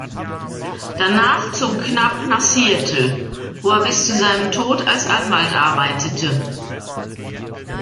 Danach zog Knapp nach Seattle, wo er bis zu seinem Tod als Anwalt arbeitete.